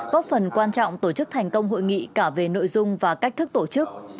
góp phần quan trọng tổ chức thành công hội nghị cả về nội dung và cách thức tổ chức